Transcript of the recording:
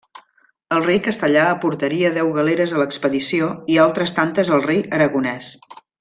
El rei castellà aportaria deu galeres a l'expedició i altres tantes el rei aragonès.